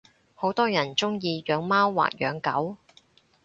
好多人鐘意養貓或養狗